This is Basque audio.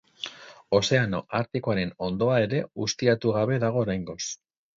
Ozeano Artikoaren hondoa ere ustiatu gabe dago oraingoz.